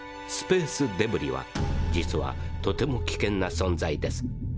スペースデブリは実はとても危険な存在です。